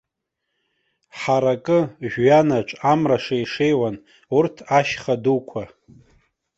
Ҳаракы, жәҩанаҿ, амра шеишеиуан, урҭ ашьха дуқәа.